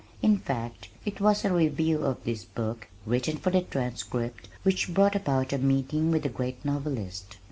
In fact, it was a review of this book, written for the Transcript which brought about a meeting with the great novelist.